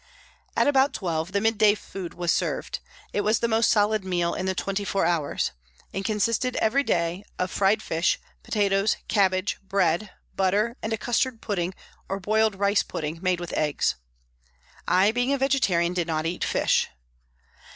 At about twelve the midday food was served, it was the most solid meal in the twenty four hours. It consisted every day of fried fish, potatoes, cabbage, bread, butter and a custard pudding or boiled rice pudding made with eggs. I, being a vegetarian, did not eat fish.